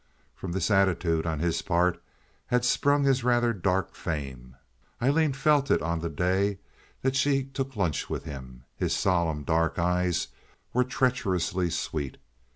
From this attitude on his part had sprung his rather dark fame. Aileen felt it on the day that she took lunch with him. His solemn, dark eyes were treacherously sweet.